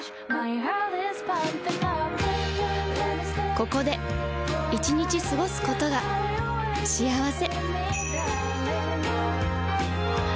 ここで１日過ごすことが幸せ